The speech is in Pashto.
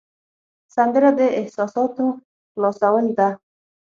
سندره د احساساتو خلاصول ده